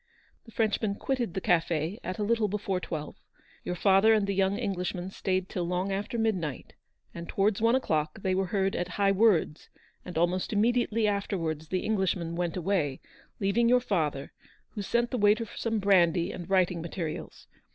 The Frenchman quitted the cafe at a little before twelve ; your father and the young Englishman stayed till long after midnight, and towards one o'clock they were heard at high words, and almost immediatelv afterwards the Englishman went away, leaving your father, who sent the waiter for some brandy and writing materials.